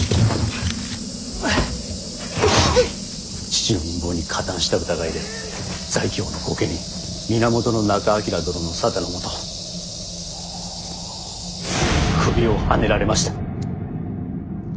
父の陰謀に加担した疑いで在京の御家人源仲章殿の沙汰のもと首をはねられました。